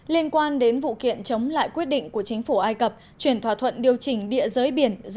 liên quan đến vụ kiện chống lại quyết định của chính phủ ai cập chuyển thỏa thuận điều chỉnh địa giới biển